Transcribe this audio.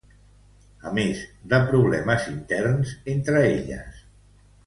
A més de problemes interns entre elles.